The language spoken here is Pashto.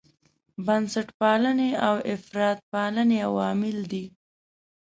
بنسټپالنې او افراطپالنې عوامل دي.